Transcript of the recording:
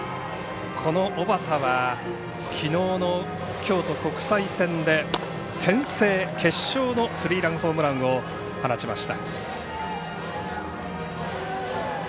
この小畠はきのうの京都国際戦で先制決勝のスリーランホームランを放ちました。